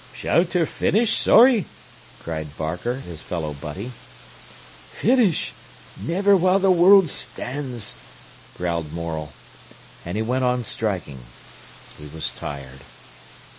"Shall ter finish, Sorry?" cried Barker, his fellow butty. "Finish? Niver while the world stands!" growled Morel. And he went on striking. He was tired.